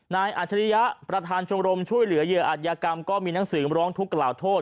อาจริยะประธานชมรมช่วยเหลือเหยื่ออัธยากรรมก็มีหนังสือร้องทุกขล่าโทษ